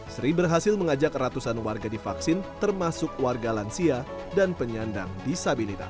sri berhasil mengajak ratusan warga divaksin termasuk warga lansia dan penyandang disabilitas